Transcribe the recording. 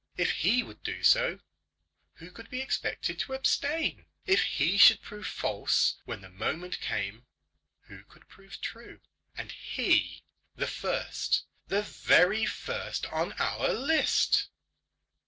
If he would do so, who could be expected to abstain? If he should prove false when the moment came, who would prove true? And he, the first, the very first on our list!